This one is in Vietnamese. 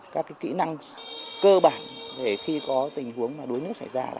một chuyện nó cần phải thiết kiệu đối nước cơ bản